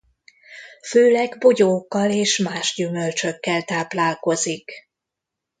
Főleg bogyókkal és más gyümölcsökkel táplálkozik.